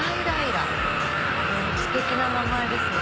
ステキな名前ですね。